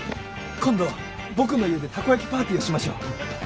今度僕の家でたこやきパーティーをしましょう。